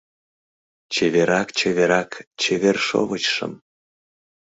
Чеверак-чеверак чевер шовычшым